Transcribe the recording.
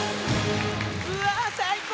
うわ最高！